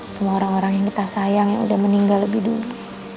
semua orang orang yang kita sayang yang udah meninggal lebih dulu